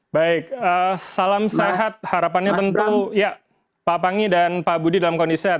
baik salam sehat harapannya tentu ya pak pangi dan pak budi dalam kondisi sehat